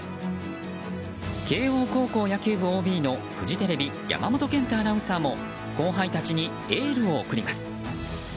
慶応高校野球部ＯＢのフジテレビ山本賢太アナウンサーも後輩たちにエールを送ります。